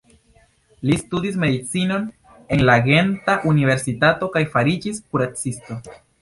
Li studis medicinon en la Genta Universitato kaj fariĝis kuracisto.